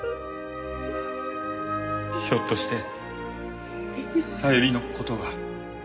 ひょっとして小百合の事が。